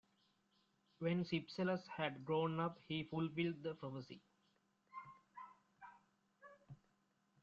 When Cypselus had grown up, he fulfilled the prophecy.